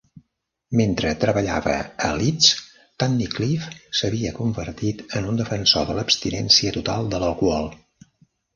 Mentre treballava a Leeds, Tunnicliff s'havia convertit en un defensor de l'abstinència total de l'alcohol.